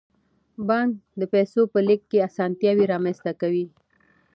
بانک د پیسو په لیږد کې اسانتیاوې رامنځته کوي.